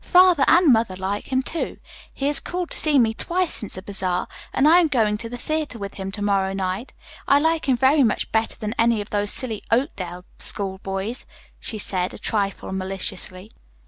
Father and mother like him, too. He has called to see me twice since the bazaar, and I am going to the theatre with him to morrow night. I like him very much better than any of these silly Oakdale schoolboys," she added a trifle maliciously.